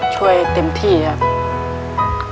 ช่วยเต็มที่ครับ